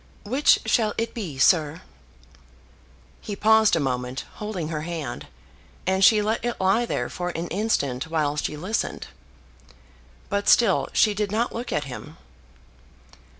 Which shall it be, sir?" He paused a moment, holding her hand, and she let it lie there for an instant while she listened. But still she did not look at him.